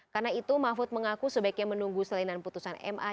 karena itu mahfud mengaku sebaiknya menunggu selainan putusan ma